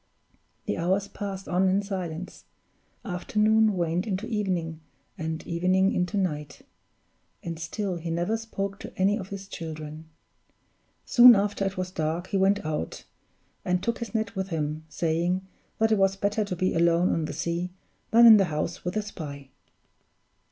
The hours passed on in silence; afternoon waned into evening, and evening into night; and still he never spoke to any of his children. Soon after it was dark, he went out, and took his net with him, saying that it was better to be alone on the sea than in the house with a spy.